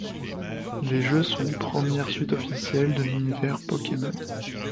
Les jeux sont les premières suites officielles de l'univers Pokémon.